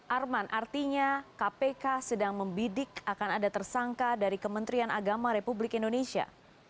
arman artinya kpk sedang membidik akan ada tersangka dari kementerian agama republik indonesia